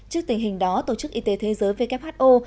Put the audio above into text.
trước tình hình đó tổ chức y tế thế giới who